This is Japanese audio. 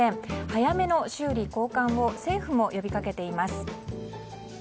早めの修理・交換を政府も呼び掛けています。